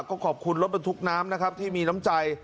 ก็ขอบคุณรถบรรทุกน้ำนะครับที่มีน้ำใจ